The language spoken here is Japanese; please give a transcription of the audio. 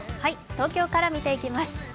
東京から見ていきます。